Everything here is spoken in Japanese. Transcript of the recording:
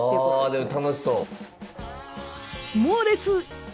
あでも楽しそう。